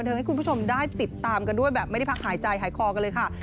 ให้คุณผู้ชมได้ติดตามกันด้วยแบบไม่ได้พักหายใจหายคอกันเลยค่ะ